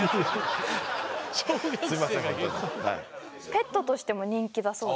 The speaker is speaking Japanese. ペットとしても人気だそうです。